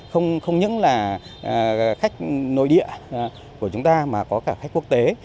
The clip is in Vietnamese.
không những là khách nội địa của chúng ta mà có cả khách quốc tế